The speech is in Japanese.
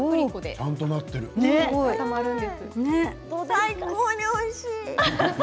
最高においしい！